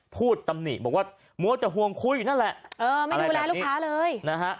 ตำหนิบอกว่ามัวแต่ห่วงคุยนั่นแหละเออไม่ดูแลลูกค้าเลยนะฮะ